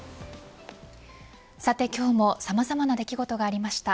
さて今日もさまざまな出来事がありました。